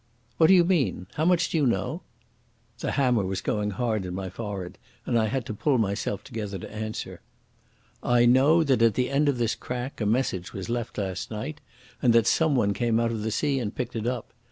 "What do you mean? How much do you know?" The hammer was going hard in my forehead, and I had to pull myself together to answer. "I know that at the end of this crack a message was left last night, and that someone came out of the sea and picked it up.